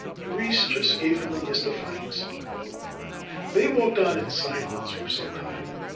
Therese just gave him a mystifying smile. They walked on in silence for some time.